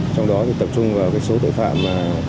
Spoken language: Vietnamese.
trong đó tập trung vào số tội phạm